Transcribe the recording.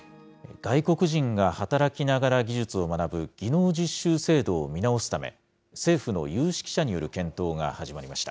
外国人が働きながら技術を学ぶ技能実習制度を見直すため、見直すため、政府の有識者による検討が始まりました。